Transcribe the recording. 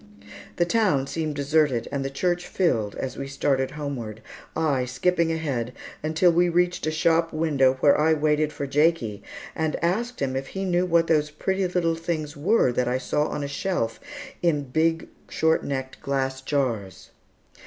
The town seemed deserted, and the church filled, as we started homeward, I skipping ahead until we reached a shop window where I waited for Jakie and asked him if he knew what those pretty little things were that I saw on a shelf, in big short necked glass jars.